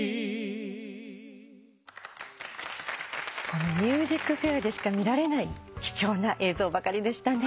この『ＭＵＳＩＣＦＡＩＲ』でしか見られない貴重な映像ばかりでしたね。